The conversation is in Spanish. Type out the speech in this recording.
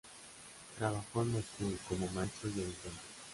Trabajó en Moscú como maestro y editor.